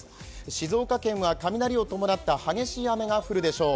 静岡県は雷を伴った激しい雨が降るでしょう。